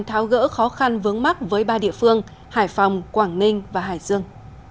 tháo gỡ khó khăn vướng mắt với ba địa phương hải phòng quảng ninh và hải dương